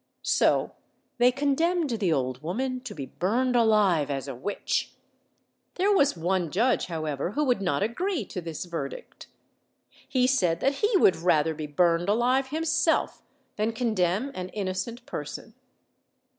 So they condemned the old woman to be burned alive as a witch. There was one judge, however, who would not agree to this verdict. He said that he would rather be burned alive himself than condemn an innocent person.